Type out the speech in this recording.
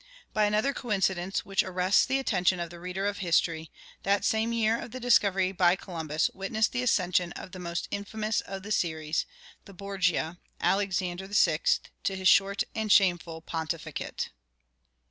By another coincidence which arrests the attention of the reader of history, that same year of the discovery by Columbus witnessed the accession of the most infamous of the series, the Borgia, Alexander VI., to his short and shameful pontificate.